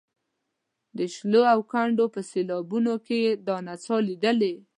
د شیلو او کندو په سیلاوونو کې یې دا نڅا لیدلې.